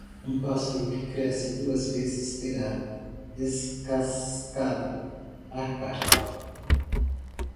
Um pássaro que cresce duas vezes terá descascado a carpa.